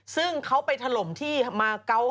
ซึ่งเขาไปถล่มที่มาเกาะ